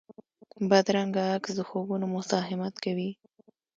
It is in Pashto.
بدرنګه عکس د خوبونو مزاحمت کوي